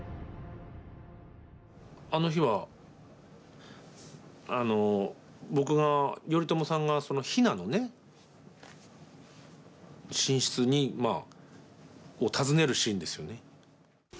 あの日はあの僕が頼朝さんが比奈のね寝室を訪ねるシーンですよね。